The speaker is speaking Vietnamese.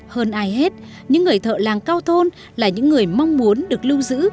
hơn ai hết những người thợ làng cao thôn là những người mong muốn được lưu giữ